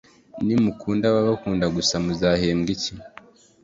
nimukunda ababakunda gusa muzahembwa iki